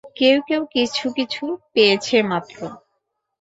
কেউ কেউ কিছু কিছু পেয়েছে মাত্র।